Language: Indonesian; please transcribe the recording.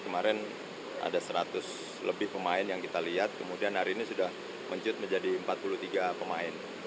kemarin ada seratus lebih pemain yang kita lihat kemudian hari ini sudah menciut menjadi empat puluh tiga pemain